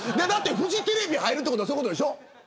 フジテレビに入るってことはそういうことでしょ。